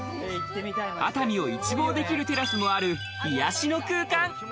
熱海を一望できるテラスもある癒しの空間。